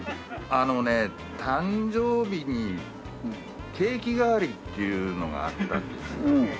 あのね誕生日にケーキ代わりっていうのがあったんですよ。